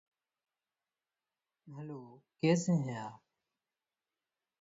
The following countries are not included in this list.